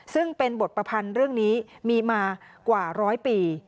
ซึ่งเป็นบทประพันธ์เรื่องนี้มีมากว่าร้อยปี